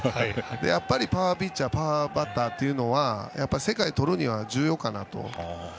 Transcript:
やっぱりパワーピッチャーパワーバッターというのは世界をとるには重要かなと。